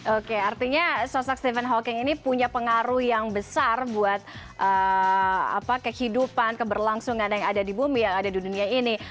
oke artinya sosok stephen hawking ini punya pengaruh yang besar buat kehidupan keberlangsungan yang ada di bumi yang ada di dunia ini